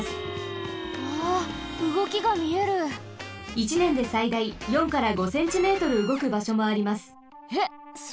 １ねんでさいだい４から５センチメートルうごくばしょもあります。